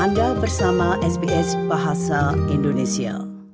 anda bersama sbs bahasa indonesia